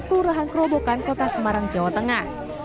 kelurahan kerobokan kota semarang jawa tengah